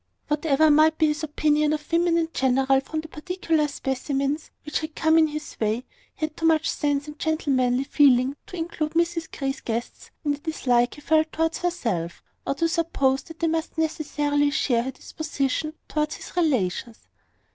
Whatever might be his opinion of women generally, from the particular specimens which had come in his way, he had too much sense and gentlemanly feeling to include Mrs Grey's guests in the dislike he felt towards herself, or to suppose that they must necessarily share her disposition towards his relations.